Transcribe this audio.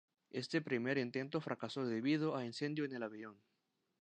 Este primer intento fracasó debido a incendio en el avión.